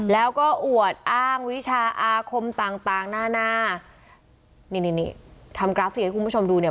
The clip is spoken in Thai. แล้วก็อวดอ้างวิชาอาคมต่างต่างหน้าหน้านี่นี่ทำกราฟิกให้คุณผู้ชมดูเนี่ย